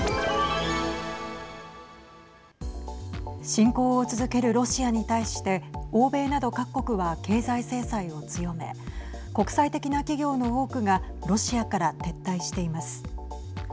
侵攻を続けるロシアに対して欧米など各国は経済制裁を強め国際的な企業の多くがロシアから撤退しています。